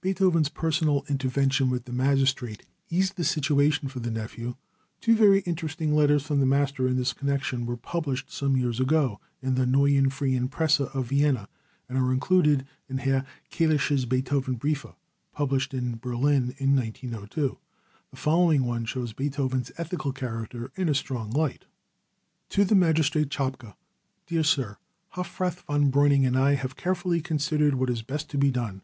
Beethoven's personal intervention with the magistrate eased the situation for the nephew. Two very interesting letters from the master in this connection were published some years ago in the Neuen Freien Presse of Vienna, and are included in Herr Kalischer's Beethovenbriefe published in Berlin in 1902. The following one shows Beethoven's ethical character in strong light: To the Magistrate Czapka: DEAR SIR: Hofrath von Breuning and I have carefully considered what is best to be done.